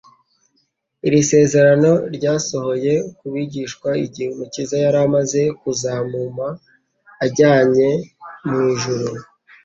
Iri sezerano ryasohoye ku bigishwa igihe Umukiza yari amaze kuzamuma ajyanyve mu ijuru.